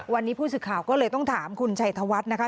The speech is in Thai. วันนี้ผู้สื่อข่าวก็เลยต้องถามคุณชัยธวัฒน์นะคะ